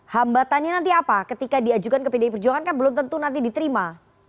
hambatannya nanti apa ketika diajukan ke pdi perjuangan kan belum tentu nanti diterima